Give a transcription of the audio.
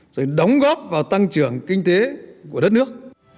rồi đóng góp vào tăng trưởng kinh tế của đất nước